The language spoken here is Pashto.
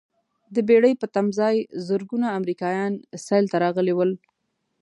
د بېړۍ په تمځاې زرګونه امریکایان سیل ته راغلي ول.